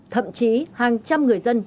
thậm chí hàng trăm người dân